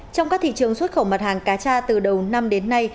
trong các thị trường xuất khẩu mặt hàng cà cha từ đầu năm đến nay